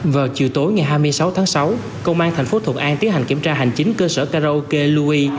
vào chiều tối ngày hai mươi sáu tháng sáu công an thành phố thuận an tiến hành kiểm tra hành chính cơ sở karaoke loui